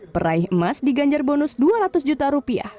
peraih emas diganjar bonus dua ratus juta rupiah